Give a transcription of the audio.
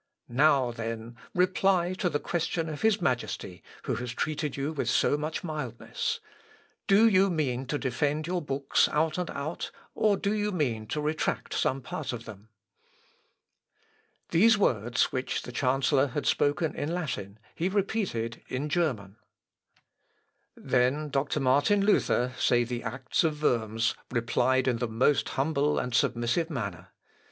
Now, then, reply to the question of his Majesty, who has treated you with so much mildness. Do you mean to defend your books out and out, or do you mean to retract some part of them?" Des Getümmels und Wesens war Ich gar nicht gewohnt. (L. Op. xvii, p. 535, 588.) These words, which the chancellor had spoken in Latin, he repeated in German. "Then doctor Martin Luther," say the Acts of Worms, "replied in the most humble and submissive manner.